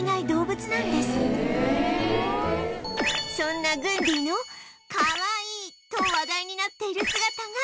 そんなグンディのかわいいと話題になっている姿が